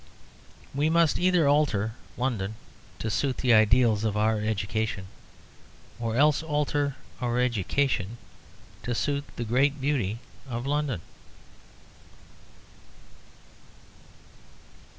We must either alter London to suit the ideals of our education, or else alter our education to suit the great beauty of London.